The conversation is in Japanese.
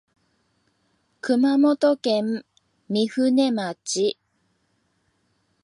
熊本県御船町